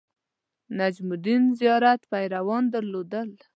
نجم الدین زیات پیروان درلودل.